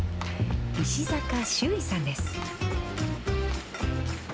石坂秀威さんです。